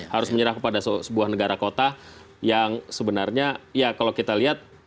harus menyerah kepada sebuah negara kota yang sebenarnya ya kalau kita lihat